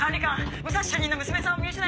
武蔵主任の娘さんを見失いました！